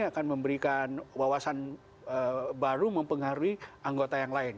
akan memberikan wawasan baru mempengaruhi anggota yang lain